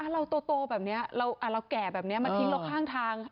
เราโตแบบนี้เราแก่แบบนี้มาทิ้งเราข้างทาง